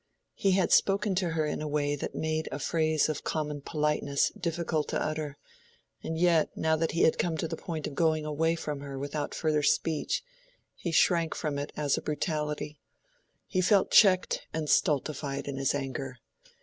He had spoken to her in a way that made a phrase of common politeness difficult to utter; and yet, now that he had come to the point of going away from her without further speech, he shrank from it as a brutality; he felt checked and stultified in his anger.